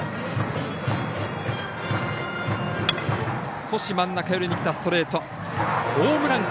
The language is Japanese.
少し真ん中寄りにきたストレート。